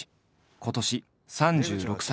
今年３６歳。